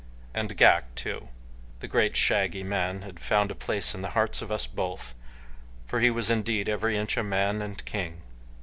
And Ghak, too; the great, shaggy man had found a place in the hearts of us both, for he was indeed every inch a man and king.